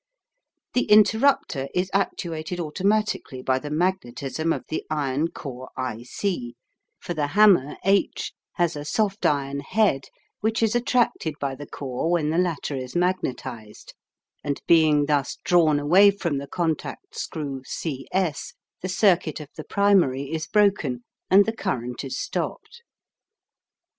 The interrupter is actuated automatically by the magnetism of the iron core I C, for the hammer H has a soft iron head which is attracted by the core when the latter is magnetised, and being thus drawn away from the contact screw C S the circuit of the primary is broken, and the current is stopped.